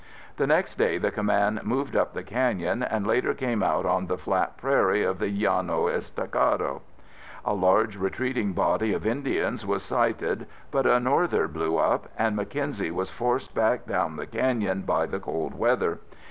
The next day the command moved up the canyon and later came out on the flat prairie of the Llano Estacado. A large retreating body of Indians was sighted but a Norther blew up, and Mackenzie was forced back down the canyon by the cold weather.